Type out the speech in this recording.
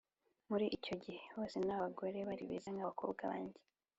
muri icyo gihugu hose nta bagore bari beza nk abakobwa ba njye